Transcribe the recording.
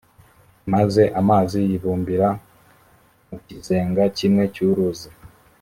maze amazi yibumbire mu kizenga kimwe cy’uruzi.